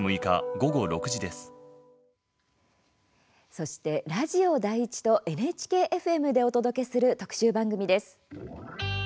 そして、ラジオ第１とＮＨＫ−ＦＭでお届けする特集番組です。